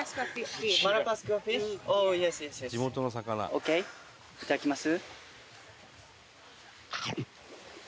ＯＫいただきます。